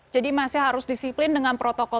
jadi masih harus disiplin dengan protokol